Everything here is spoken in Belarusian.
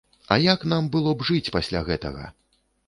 А як нам было б жыць пасля гэтага?!